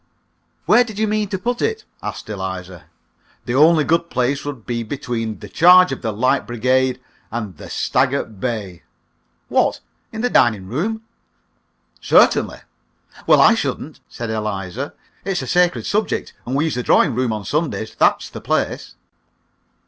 "Where did you mean to put it?" asked Eliza. "The only good place would be between 'The Charge of the Light Brigade' and 'The Stag at Bay.'" "What! In the dining room?" "Certainly." "Well, I shouldn't," said Eliza. "It's a sacred subject, and we use the drawing room on Sundays. That's the place."